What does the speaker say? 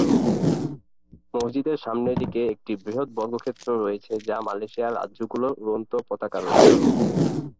মসজিদের সামনের দিকে একটি বৃহত বর্গক্ষেত্র রয়েছে যা মালয়েশিয়ার রাজ্যগুলির উড়ন্ত পতাকা রয়েছে।